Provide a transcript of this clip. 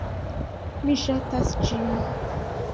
Mi ŝatas ĝin